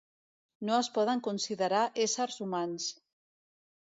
No es poden considerar éssers humans.